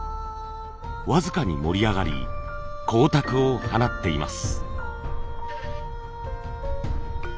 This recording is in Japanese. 僅かに盛り上がり光沢を放っています。